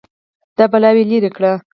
دا بلاوې لرې کړه